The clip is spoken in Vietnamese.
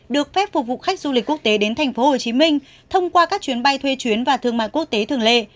được phép phục vụ khách du lịch quốc tế đến tp hcm thông qua các chuyến bay thuê chuyến và thương mại quốc tế thường lệ